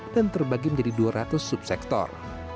dan terbagi menjadi dua ratus subsektor